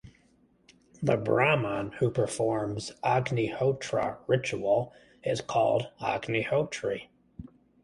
The Brahman who performs Agnihotra ritual is called Agnihotri.